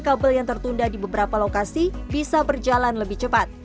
kabel yang tertunda di beberapa lokasi bisa berjalan lebih cepat